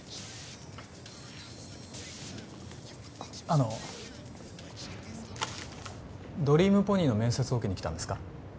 あのドリームポニーの面接を受けに来たんですか？